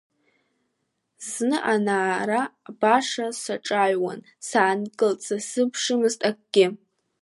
Зны анаара баша саҿаҩуан, саангылт, сазыԥшымызт акгьы…